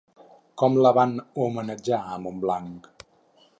Com la van homenatjar a Montblanc?